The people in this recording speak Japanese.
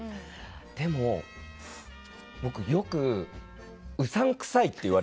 でも僕よく「うさんくさい」って言われるんですよ。